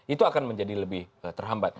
itu akan menjadi lebih terhambat